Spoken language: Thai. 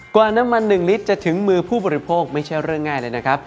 กว่าน้ำมัน๑ลิตรจะถึงมือผู้บริโภคไม่ใช่เรื่องง่ายเลยนะครับ